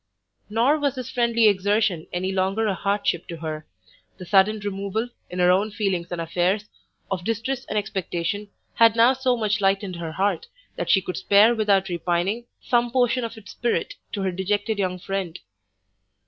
Nor was this friendly exertion any longer a hardship to her; the sudden removal, in her own feelings and affairs, of distress and expectation, had now so much lightened her heart, that she could spare without repining, some portion of its spirit to her dejected young friend.